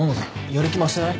やる気増してない？